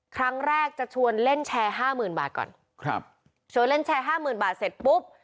ครั้งแรกจะชวนเล่นแชร์๕๐๐๐๐บาทก่อนชวนเล่นแชร์๕๐๐๐๐บาทเสร็จปุ๊บ